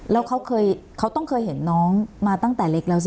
แล้วเขาต้องเคยเห็นน้องมาตั้งแต่เล็กแล้วสิ